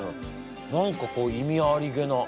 何かこう意味ありげな。